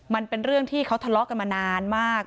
มันเป็นเรื่องที่เขาทะเลาะกันมานานมาก